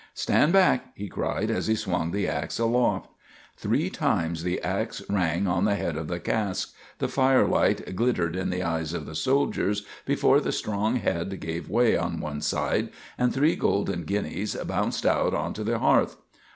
"Stand back," he cried as he swung the ax aloft. Three times the ax rang on the head of the cask, the firelight glittering in the eyes of the soldiers, before the strong head gave way on one side, and three golden guineas bounced out on to the hearth.